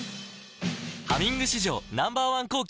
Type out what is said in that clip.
「ハミング」史上Ｎｏ．１抗菌